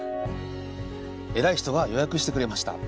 偉い人が予約してくれました。